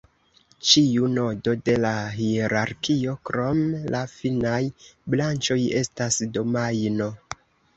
Ĉiu nodo de la hierarkio, krom la finaj branĉoj, estas domajno.